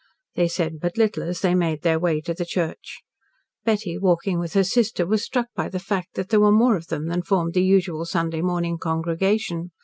They said but little as they made their way to the church. Betty, walking with her sister, was struck by the fact that there were more of them than formed the usual Sunday morning congregation.